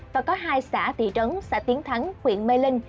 và có hai xã tỷ trấn xã tiến thắng huyện mê linh